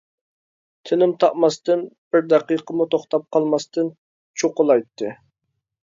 تىنىم تاپماستىن، بىر دەقىقىمۇ توختاپ قالماستىن چوقۇلايتتى.